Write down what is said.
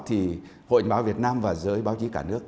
thì hội nhà báo việt nam và giới báo chí cả nước